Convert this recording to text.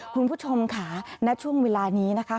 คุณผู้ชมค่ะณช่วงเวลานี้นะคะ